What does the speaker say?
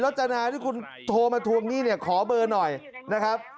ลักษณะที่คุณโทรมาทรวมนี้ขอเบอร์หน่อยนะครับ